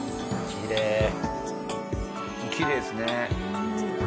きれいですね。